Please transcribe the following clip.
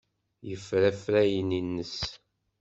Yeffer afrayen-nnes.